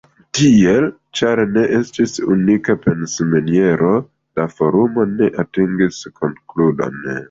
Tiel, ĉar ne estis “unika pensmaniero, la forumo ne atingis konkludon.